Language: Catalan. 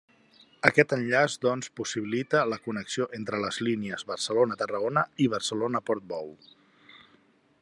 Aquest enllaç doncs possibilita la connexió entre les línies Barcelona-Tarragona i Barcelona-Portbou.